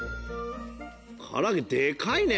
唐揚げでかいね！